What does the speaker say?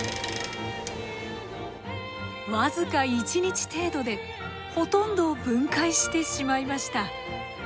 僅か１日程度でほとんどを分解してしまいました。